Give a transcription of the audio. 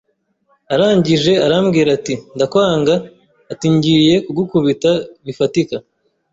arangije arambwira ati ndakwanga, ati ngiye kugukubita bifatika